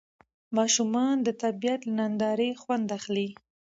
ماشومان د طبیعت له نندارې خوند اخلي